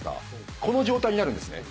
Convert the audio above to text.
この状態になるんですね。